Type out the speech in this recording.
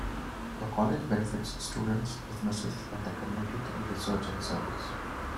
The college benefits students, businesses and the community through research and service.